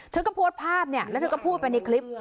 เธอก็โพสต์ภาพเนี่ยแล้วเธอก็พูดไปในคลิป